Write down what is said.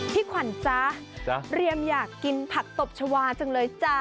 พี่ขวัญจ๊ะเรียมอยากกินผักตบชาวาจังเลยจ้ะ